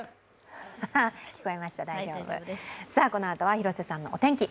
このあとは、広瀬さんのお天気。